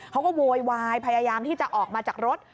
โวยวายพยายามที่จะออกมาจากรถ